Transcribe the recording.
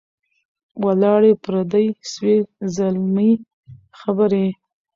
ولاړې پردۍ سوې زلمۍ خبري